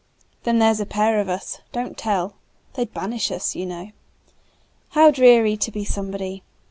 Then there 's a pair of us don't tell! They 'd banish us, you know. How dreary to be somebody!